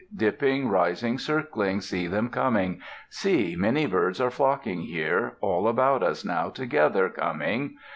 Dipping, rising, circling, see them coming. See, many birds are flocking here, All about us now together coming.